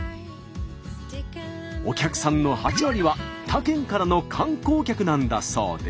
お客さんの８割は他県からの観光客なんだそうで。